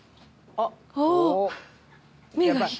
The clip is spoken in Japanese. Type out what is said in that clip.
あっ。